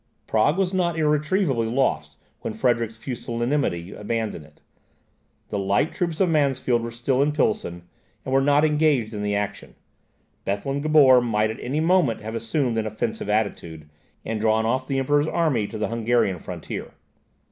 Prague was not irretrievably lost when Frederick's pusillanimity abandoned it. The light troops of Mansfeld were still in Pilsen, and were not engaged in the action. Bethlen Gabor might at any moment have assumed an offensive attitude, and drawn off the Emperor's army to the Hungarian frontier.